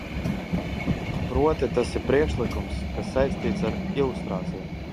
Proti, tas ir priekšlikums, kas saistīts ar lustrāciju.